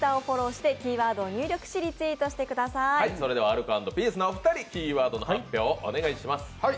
アルコ＆ピースのお二人キーワードの発表をお願いします。